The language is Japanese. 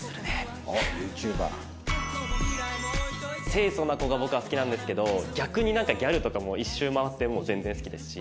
清楚な子が僕は好きなんですけど逆になんかギャルとかも一周回ってもう全然好きですし。